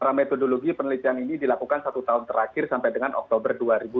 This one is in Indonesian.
karena metodologi penelitian ini dilakukan satu tahun terakhir sampai dengan oktober dua ribu dua puluh